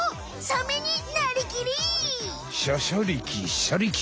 シャシャリキシャリキ！